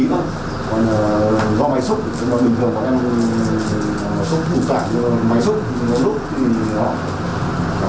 còn do máy xúc bình thường bọn em xúc thủ tải